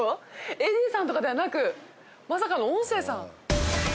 ＡＤさんとかではなくまさかの音声さん。